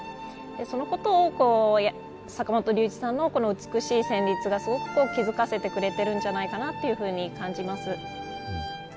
そのことを坂本龍一さんの美しい旋律が気付かせてくれているんじゃないかと感じます。